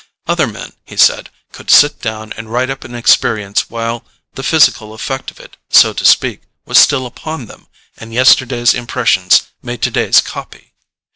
Other men, he said, could sit down and write up an experience while the physical effect of it, so to speak, was still upon them, and yesterday's impressions made to day's "copy."